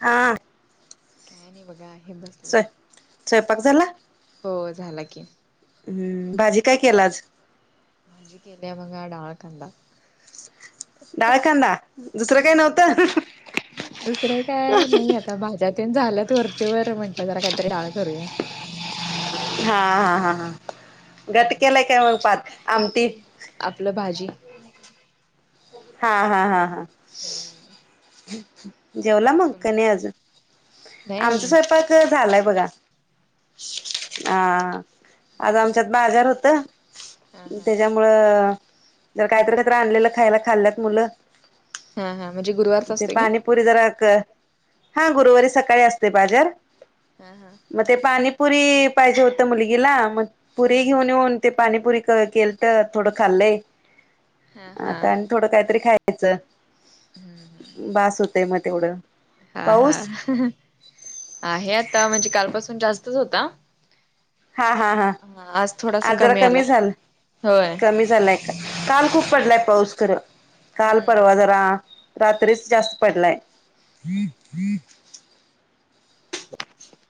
आ काय नाही बघा हे बसले, स्वय स्वयंपाक हो झाला हो झाला की. हम्म भाजी काय केला आज? भाजी केलीय बघा डाळ कांदा. डाळकांदा दुसरं हा काही नव्हतं? त्या भाज्यातन झाल्यात वरचे वर म्हंटलं जरा काहीतरी डाळ करूया. हा हा हा ह घट्ट केलाय काय मग पात आमटी? आपलं भाजी. हा हा हा हा हम्म जेवला मग का नाही अजून? नाही आमच अजून स्वयंपाक हो झालंय बघा, हा आज आमच्यात बाजार होता हा हा त्याच्यामुळं जर काय तर काय तर आणलेलं खायला खाल्ल्यात मुलं हा हा म्हणजे गुरुवारच असते का? पुरी जरा क, हा गुरुवारी सकाळी असते बाजार हा हा मग ते पाणीपुरी पाहिजे होतं मुलगीला मग पुरी हा हा घेऊन येऊन ते पाणीपुरी केल तर थोडं खाल्लय हा हा आता थोड काहीतरी खा खायचं. हम्म बास होतंय म तेवढं. हा हा, पाऊस हह आहे आता, म्हणजे कालपासून जास्तच होता हा हा हा हा आज थोडासा कमी आलाय. होय कमी झालाय का? काल खूप हम्म पडलाय पाऊस खरं, काल हम्म परवा जरा रात्रीच जास्त पडलाय. बीप बीप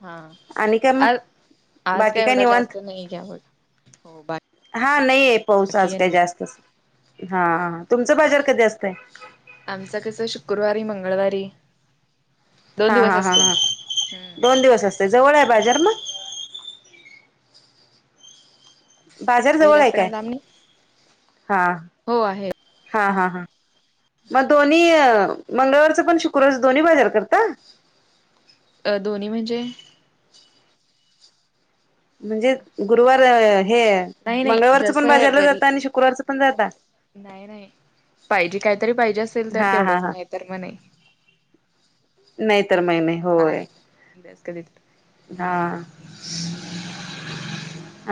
हा, आणि काय मग अल बाकी काय निवांत? हो हा, नाहीय पाऊस बाकी आज काय आणि जास्त. तस, हा आ, तुमचं बाजार कधी असतंय? आमचं कसं शुक्कुरवारी, मंगळवारी. दोन हा दिवस हा हा असतोय. हा, हम्म. दोन दिवस असतंय जवळंय बाजार हम्म म? बाजार काही जवळंय जास्त काय? लांब नाही हा. हो आहे हा हा हा, म दोन्ही? मंगळवारचं पण शुक्रवार दोन्ही बाजार करता? अ दोन्ही म्हणजे? म्हणजे गुरवार हे नाही नाही मंगळवारचं पण जसं ब बाजारला जाता आणि शुक्रवारचं पण जाता? नाही नाही पाहिजे काहीतरी पाहिजे असेल तर हा हा तेवढंच, हा नाही तर म नाही. नाहीतर नाही नाही होय [unintelligible] हा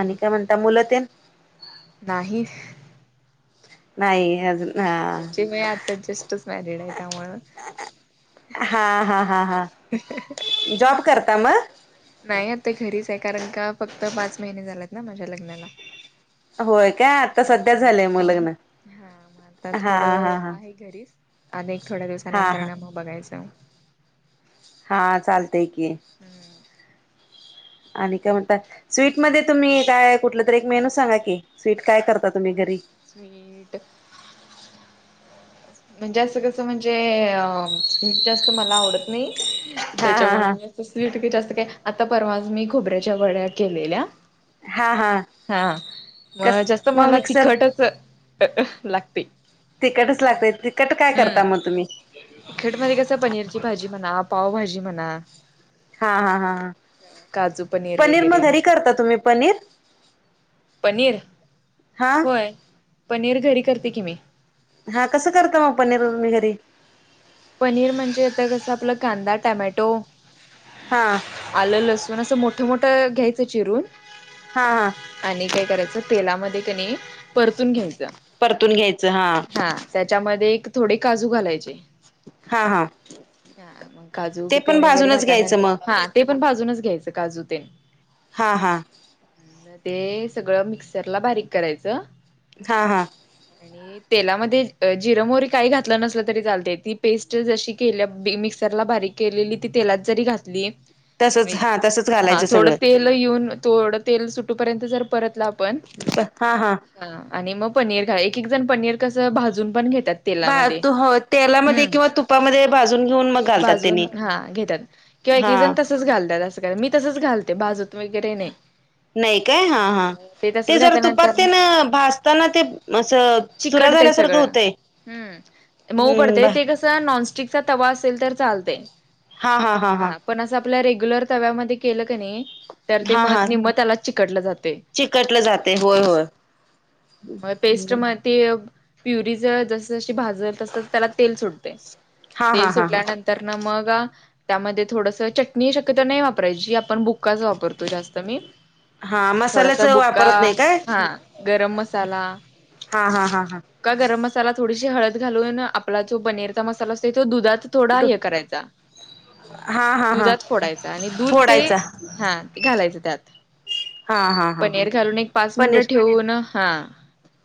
आणि काय म्हणता मुलं तेन? नाही. नाही. अजून नाही हा म्हणजे मी आता जस्टच मॅरिड आहे त्यामुळं हा, हा, हा, हा जॉब करता मग? नाही आता घरीच हाय कारण का फक्त पाच महिने झालेत ना माझ्या लग्नाला. होय काय [unintelligible] [unintelligible] हा झालंय मग लग्न म आता हा थोडं हा हा आहे घरीच. अनेक थोड्या हा हा दिवसानंतरन मग बघायचं हा चालतय की, हम्म आणि काय म्हणता? स्वीटमध्ये तुम्ही काय कुठलं तरी एक मेनू सांगा की, स्वीट काय करता तुम्ही घरी? स्वीट म्हणजे असं कसं म्हणजे, अ स्वीट जास्त मला आवडत नाही. हा हा हा त्याच्यामुळं मी अस स्वीट जास्त काय, आता परवाच मी खोबऱ्याच्या वड्या केलेल्या हा हा हा, म कस जास्त मग मला मिक्सर तिखटच अ लागते. तिकटच लागतय, तिखट काय हम्म करता म तुम्ही? तिखट मध्ये कसं पनीरची भाजी म्हणा, पाव भाजी म्हणा हा, हा, हा काजू पनीर म वगैरे घरी करता तुम्ही पनीर? पनीर हा होय, पनीर घरी करते की मी. हा कसं करता मग पनीर तुम्ही घरी? पनीर म्हणजे आता कसं आपलं कांदा टामॅटो हां आलं, लसून असं मोठं मोठं घ्यायचं चिरून हां हां आणि काय करायचं, तेलामध्ये कनी परतून घ्यायचं. परतून घ्यायचं हा, त्याच्यामध्ये एक थोडे काजू घालायचे. हा हा. हा मग काजू ते पण तेन वगैरे भाजूनच घ्यायचं घातल्यानंतर, मग हा ते पण भाजूनच घ्यायचं काजू तेण. हां हां. ते सगळं मिक्सर ला बारीक करायचं. हां हा. आणि तेलामध्ये जिर मोरी काही घातलं नसलं तरी चालतय, ती पेस्ट जशी केल्या बी मिक्सरला बारीक केलेली ती तेलात जरी घातली तसच हा तसच [unintelligible] हा घालायचं थोडं ते सगळं ल येऊन, थोडं तेल सुटूपर्यंत जर परतल आपण [unintelligible] हा हा. हा आणि मग पनीर घा, एक एक जण पनीर कसं भाजून पण घेत्यात. ब तू होत. तेलामध्ये किंवा तुपामध्ये भाजून घेऊन मग घालतात भाजून तेनी, हा. तसच घालत्यात, असं का मी तसंच घालते बाजून वगैरे नाही. नाही काय हा हां हा, मग ते तसंच जर घातल्यानंतर तुपात ना तेन भाजताना ते असं चुरा चिकटतंय झाल्यासारखं सगळं. होतय. हम्म मऊ पडतय ते कसं नॉनस्टिकचा तवा असेल तर चालतय. हा हा हा हा. पण असं आपल्या रेग्युलर तव्यामध्ये केलं क कणी, तर ते हा हा मग निम्मं त्यालाच चिकटलं जातय. चिकटलं जातय, होय होय. मग पेस्ट म ते प्युरी ज जस जशी भाजल तस त्याला तेल सुटतय, हा तेल हा हा हा सुटल्यानं तर न मग त्यामध्ये थोडस चटणी शक्यतो नाही वापरायची, आपण बु- बुक्काच वापरतो जास्त मी. हा मसाल्याच थोडासा बुक्का, वापरत नाही काय हा गरम मसाला. हा हा हा हा का गरम मसाला थोडीशी हळद घालून आपला जो पनीरचा मसाला असतोय तो दुधात थोडा हे करायचा, हा हा हा दुधात फोडायचा आणि दूध ते फोडायचा हा घालायचं त्यात, हा हा हा हा पनीर घालून एक पाच मिनिटं पनीर ठेवून हां.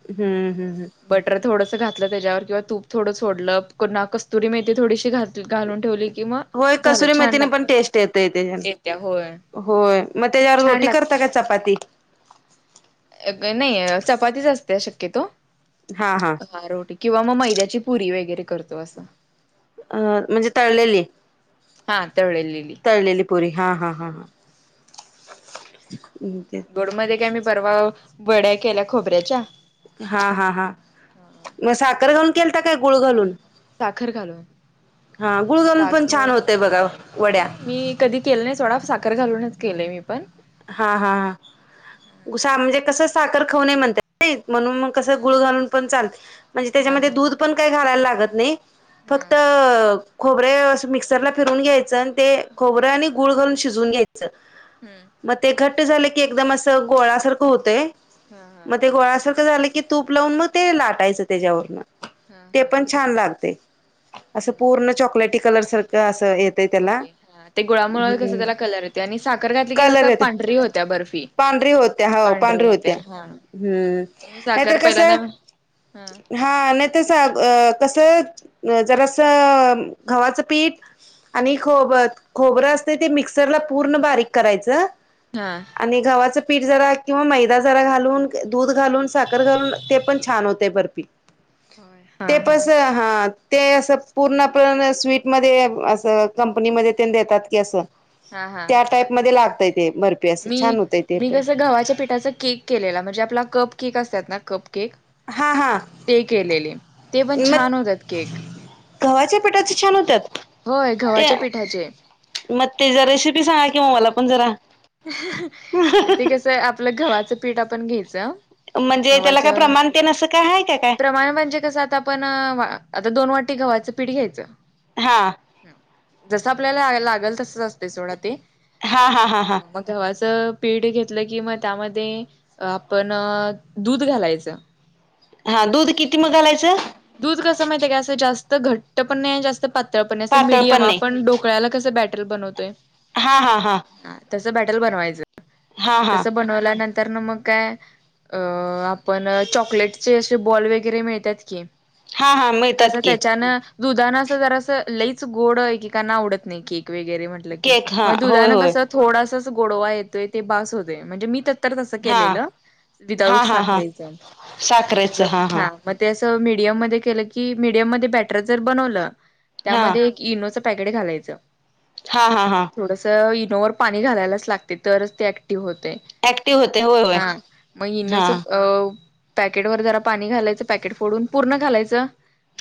हम्म हम् हम. बटर थोडस घातलं त्याच्यावर किंवा तूप थोडं सोडलं कुन्हा कस्तुरी मेथी थोडीशी घात घालून ठेवली. कि मग होय झालं कस्तुरी छान मेथीने पण लागते टेस्ट येतय तेच्यानी. येत्या होय होय मग तेच्या [unintelligible] छान रोटी करता काय लागते चपाती? [unintelligible] नाही चपातीच असते शक्यतो. हा हा. हा रोटी किंवा मग मैद्याची पुरी वगैरे करतो असं. अ म्हणजे तळलेली. हा तळलेली. तळलेली पुरी हा हा हा, ते. गोड मध्ये काय मी परवा, बड्या केल्या खोबऱ्याच्या. हा हा हा, मग साखर घालून केलता काय गुळ घालून. साखर घालून हा गुळ घालून पण छान साखर होतय बघा वड्या. मी कधी केलं नाही थोडा साखर घालूनच केलंय मी पण. हा हा हा गुसा म्हणजे कस साखर खाऊणे म्हणतात म्हणून मग कस हा गुळ घालून पण चालत म्हणजे हा त्याच्यामध्ये हा दूध पण काय घालायला लागत नाय. हा फक्त खोबरे अस मिक्सरला फिरून घ्यायचं आणि ते खोबरं आणि गुळ घालून शिजवून घ्यायचं. हम्म. मग ते घट्ट झाले की एकदम असं गोळासारखं होतंय हा हा मग ते गोळासारखं झालं की तूप लावून म ते लाटायचं त्याच्यावरन. हा ते हा पण हा छान लागतय असं हम्म. पूर्ण चॉकलेटी कलर सारख अस हे येते हा ते गुळामुळ कस त्याला कलर आणि साखर घातली की कस कलर येते पांढरी होतीया बर्फी पांढरी होत्या हो पांढरी राहतिया होत्या हा. हम्म मी साखर नाहीतर पहिला ना कसं हा हा नाय तर स कसं जरासं गव्हाचं पीठ आणि खोब -खोबरं असतंय ते मिक्सरला पूर्ण बारीक करायचं. हा. आणि गव्हाचं पीठ जरा किंवा मैदा जरा घालून दूध घालून, साखर घालून ते पण छान होतय बरपी. ते हा हा पस हां ते असं पूर्णपण स्वीटमध्ये असं कंपनीमध्ये ते देतात की असं. हा हा. त्या टाईप मध्ये लागतय ते बर मी मी कसं गवाहाच्या पिठाचा केक केलेला. म्हणजे आपला कप केक असतात ना कप केक हा हा ते केलेले ते पण मग छान होतात केक. गव्हाच्या पिटाचे छान होत्यात? होय गव्हाच्या पिठाचे. म तेज रेसिपी सांगा किं मला पण जरा. ते कसं आपलं गव्हाचं पीठ आपण घ्यायचं. म्हणजे त्याला काय गव्हाच्या प्रमाण तेन असं काय हाय का काय प्रमाण म्हणजे कसं आता पण आता दोन वाटी गव्हाचं पीठ घ्यायचं. हा. जसं आपल्याला लागल तसच असतंय सोडं ते. हा हा हां. म गव्हाचं पिढ घेतलं की म त्यामध्ये अ पण दूध घालायचं. हा दूध किती म घालायचं? दूध कसं माहिताय का असं जास्त घट्ट पण नाय जास्त पातळ पण अस पातळ पण मिडियम नाही आपण डो कळ्याला कस बॅटल बनवतोय हा हा हा. तसं बॅटल बनवायचं. हा हा तसं बनवल्यानंतर मग काय अ- आपण चॉकलेटचे असे बॉल वगैरे मिळत्यात की. हा हा कस मिळतात की त्याच्यान दुधान अस जरास लईच गोड एकेकांना आवडत नाई की. वगरे म्हटल की केक हा म होय दुधान होय कस थोड गोडवा येतोय ते भास होतोय. म्हणजे मी तर तसं हा केलेलं विदाउट हा हा हा साखरेच मग हा. मग ते असं मीडियम मध्ये केलं की मीडियम मध्ये बॅटर जर बनवलं हा त्यामध्ये इनोचं पॅकेट घालायचं. हा हा हा. थोडस इनोवर पाणी घालायलाच लागतय तर ते ते होतंय ऍक्टिव्ह होते होय होय हा, मग हा इनोच अ पॅकेट वर जरा पाणी घालायचं पॅकेट फोडून पूर्ण घालायचं.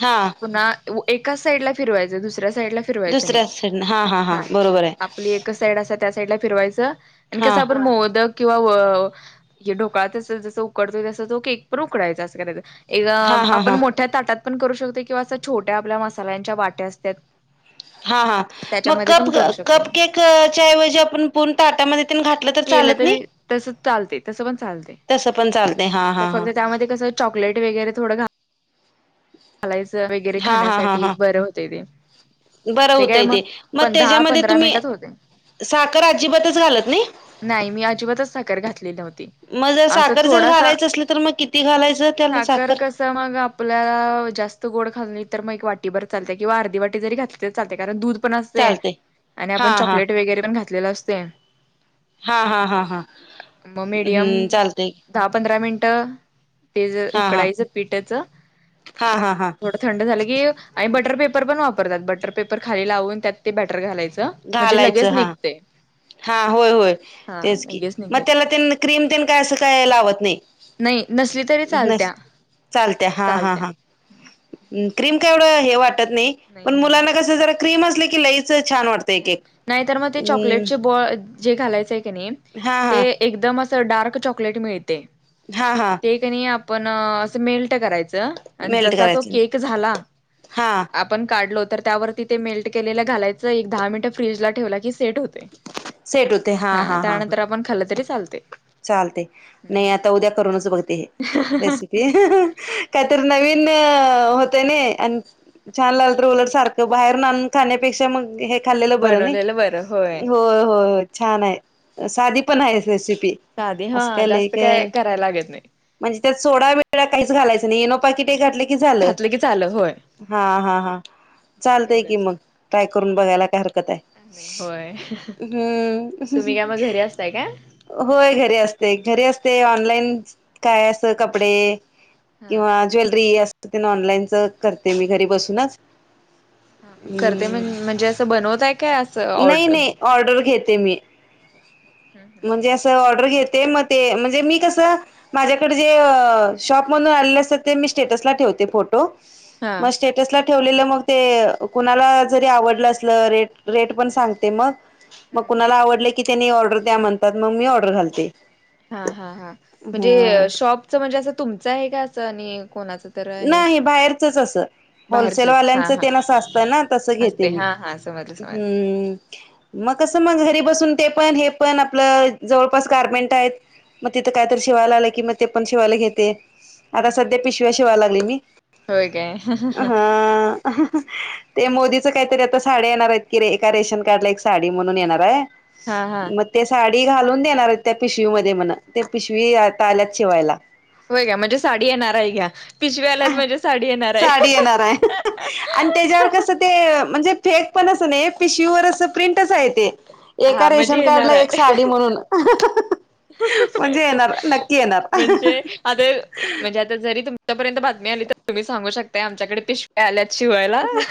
हा पुन्हा तु एकाच साईडला फिरवायच दुसऱ्या साईडला फिरवायच नाही, दुसऱ्या साईडन हा बरोबर आहे आपली एक क साईड असं त्या साईडला फिरवायचं आणि हा कसं आपण मोदक किंवा व ह्यो ढोकळा जसं जसं उकडतोय तसं तो केक एक पण उकडायचं असं करायचं. एक हा हा आपण हा मोठ्या ताटात पण करू शकतो किंवा असं छोट्या आपल्या मसाल्यांच्या वाट्या असतात हा हा मग कप कप केकच्या ऐवजी आपण पूर्ण ताटामध्ये घात केलं तरी तसं चालते तसं पण चालते तसं पण चालतंय हा हा हा त्यामध्ये कसं चॉकलेट वगैरे थोडं घाल घालायच वगैरे हा हा हा खाण्यासाठी हा बरं होते ते. बरं काय होतंय ते मग पण दहा त्याच्यामध्ये पंधरा तुम्ही मिनिटात होते. साखर अजिबातच घालत नाही? नाही मी अजिबातच साखर घातले नव्हती. मग जर असं साखर जर थोडासा घालायचं असली तर मग किती घालायचं त्याला साखर तर मग आपल्याला जास्त गोड खाल्ली तर मग वाटी भर चालते किंवा अर्धी वाटी जरी घातली तर चालते कारण दुध पण असते चालतंय आणि हा आपण हा चॉकलेट वगैरे पण घातलेलं असते. हा हा हा असं हा, हम्म चालतंय. दहा-पंधरा मिनिटं ते ज हा हा उकडायचं पिठचं हा हा हा. थोडं थंड झालं की आणि बटर पेपर पण वापरतात बटर पेपर खाली लावून त्यात ते बॅटर घालाय च म्हणजे घालायचं लगेच हा निघते. हा होय होय हा तेच की लगेच मग निघते त्याला त्यांना ते क्रीम ते काय असं काही लावत नाही? नाही नसली तरी नस चालत्या. चालत्या हा हा चालत्या हां क्रीम का एवढं हे वाटत नाही पण मुलांना कसं जरा क्रीम असले की लईच छान वाटत. नाही तर मग ते चॉकलेटचे बॉ जे घालायचय क नाही हा हा ते एकदम तर डार्क चॉकलेट मिळते. हा हा. ते क नाही आपण मेल्ट करायचं आणि मेल्ट जसा तो करायचं केक झाला हा आपण काढलो तर त्यावरती ते मेल्ट केलेलं घालायचं एक दहा मिनटं फ्रीजला ठेवला की सेट होतं. हा त्यानंतर आपण खाल्लं तरी चालते. चालते की, नाही हम्म आता उद्या करूनच बघते हे रेसि काहीतरी नवीन होतंय नी आणि छान लागल तर उलट सारखं बाहेरून आणून खाण्यापेक्षा मग हे खाल्लेलं बरं नाही, बनवलेलं बरं होय होय छान आहे साधी पण आहे रेसिपी. साधी हा असं काय लय जास्त काय करायला लागत नाही‌. म्हणजे त्यात सोडा बिडा काहीच घालायचं नाही येनो पाकीट एक नाही घातलं की झालं. घातलं की चालं होय हा हा हा चालतंय की तेवढंच मग ट्राय करून बघायला काय हरकत आहे. नाही होय हम्म तुम्ही असं. [unintelligible] काय. होय घरी असते, घरी असते ऑनलाईन काय असं कपडे हा किंवा ज्वेलरी असं तेन ऑनलाईनच करते मी घरी बसूनच. करते हम्म म्हण, म्हणजे असं बनवताय काय असं नाही ऑड हम्म नाही ऑर्डर घेते मी हम्म. म्हणजे हम्म असं ऑर्डर घेते, मग ते म्हणजे मी कसं माझ्याकडे जे अं शॉपमधून आलेले असतात, ते मी स्टेटसला ठेवते फोटो. हा मग स टसला ठेवलेलं, मग ते कुणाला जरी आवडलं असल? रेट रेट पण सांगते मग मग हम्म कुणाला आवडलं की, त्यांनी ऑर्डर द्या म्हणतात. मग मी ऑर्डर घालते. हा हा हा, ह म्हणजे शॉपच म्हणजे असं तुमचं आहे का? असं आणि कोणाच नाही, बाहेरचच असं. बाहेरचेच हा होलसेलवाल्यांचं हा ते न असं असतय ना, तसं घेते असते मी. हा हा समजलं समजलं मग कसं मग घरी बसून ते पण, हे पण, आपलं जवळपास गारमेंट आहेत. मग तिथं काय तरी शिवायला आलं कि, मग ते पण शिवायला घेते. हम्म आता हम्म सध्या पिशव्या शिवाय लागले मी. होय काय हा. ते मोदीच काहीतरी आता साड्या येणार आहेत की, रे एका रेशन कार्ड ला एक साडी म्हणून येणार आहे. हा हा. मग ते साडी घालून देणार आहेत, त्या पिशवीमध्ये म्हण. ते पिशवी आता आल्यात शिवायला. होय का? म्हणजे साडी येणार आहे घ्या. पिशव्या आल्यात म्हणजे साडी येणार आहे. साडी येणार आहे. आणि त्याच्यावर कसं ते म्हणजे फेक पण अस नाही, पिशवीवर असं प्रिंटच आहे ते. एका हा म्हणजे रेशन येणार कार्डला, एक आहे साडी म्हणून. म्हणजे येणार, नक्की येणार. म्हणजे आता म्हणजे आता जरी तुमच्यापर्यंत बातमी आली, तर तुम्ही सांगू शकताय, आमच्याकडे पिश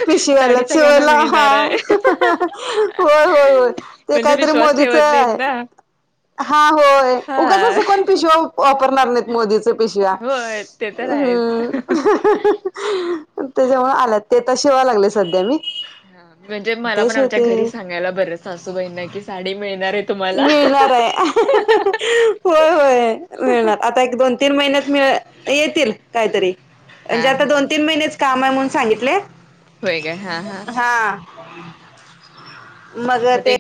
व्या आलेत सगळ्यांना शिवायला. मिळणार आहे होय होय होय. ते म्हणजे काहीतरी विश्वास मोदीच. ठेवत नाहीत ना हा, होय. उगाच अस हा कोण पिशव वापरणार नाहीत, मोदीच पिशव्या. होय ते तर आहेच त्याच्यामुळं आल्यात, ते त शिवाय लागले सध्या मी. हा. म्हणजे मला ते पण आमच्या घरी शिवते सांगायला बरं. सासूबाईंना की, साडी मिळणार आहे तुम्हाला. मिळणार आहे होय होय, मिळणार. आता एक, दोन, तीन महिन्यात मिळ येतील. काहीतरी हा म्हणजे आता हा दोन, तीन महिनेच काम आहे म्हणून सांगितलय. होय काय हा हा, मग ते